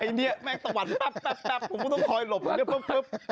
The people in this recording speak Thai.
ไอ้เนี้ยแม่งบุคคิยตะวัดต๊ับผมก็ต้องคอยหลบ